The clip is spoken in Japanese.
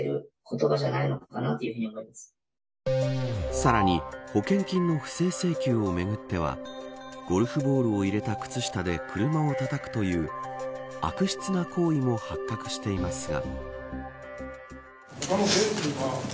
さらに保険金の不正請求をめぐってはゴルフボールを入れた靴下で車をたたくという悪質な行為も発覚していますが。